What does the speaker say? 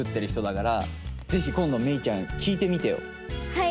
はい。